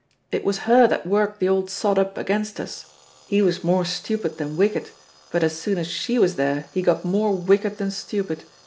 It was her that worked the old sod up against us. He was more stupid than wicked, but as soon as she was there he got more wicked than stupid.